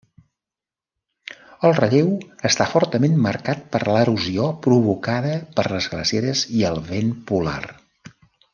El relleu està fortament marcat per l'erosió provocada per les glaceres i el vent polar.